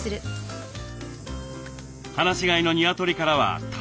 放し飼いのニワトリからは卵も。